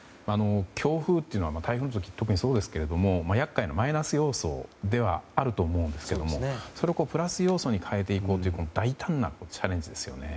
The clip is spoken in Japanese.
強風は台風の時はマイナス要素ではあると思うんですがそれをプラス要素に変えていこうという大胆なチャレンジですよね。